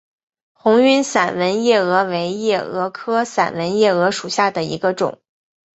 红晕散纹夜蛾为夜蛾科散纹夜蛾属下的一个种。